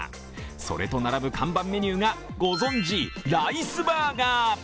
それと並ぶ看板メニューがご存じ、ライスバーガー。